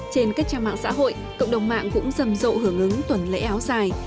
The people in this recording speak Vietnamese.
trên các trang mạng xã hội cộng đồng mạng cũng dầm dộ hưởng ứng tuần lễ áo dài